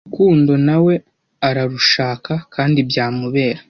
urukundo nawe ararushaka kandi byamubera